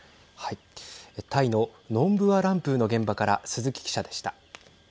タイのノンブアランプーの現場から鈴木記者でした。